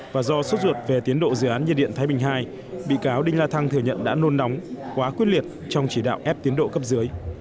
và do suốt ruột về tiến độ dự án nhiệt điện thái bình ii bị cáo đinh la thăng thừa nhận đã nôn nóng quá quyết liệt trong chỉ đạo ép tiến độ cấp dưới